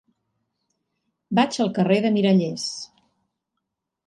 Vaig al carrer de Mirallers.